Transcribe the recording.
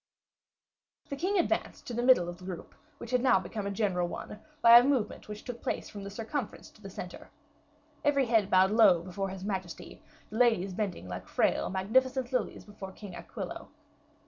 The king advanced to the middle of the group, which had now become a general one, by a movement which took place from the circumference to the center. Every head bowed low before his majesty, the ladies bending like frail, magnificent lilies before King Aquilo.